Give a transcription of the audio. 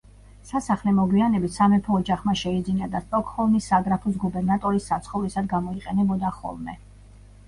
სასახლე მოგვიანებით სამეფო ოჯახმა შეიძინა და სტოკჰოლმის საგრაფოს გუბერნატორის საცხოვრისად გამოიყენებოდა ხოლმე.